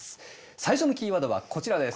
最初のキーワードはこちらです。